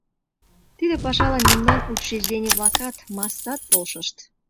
Тиде пашалан мемнан учреждений-влакат, массат полшышт.